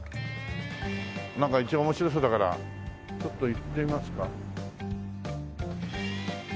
なんか一応面白そうだからちょっと行ってみますか。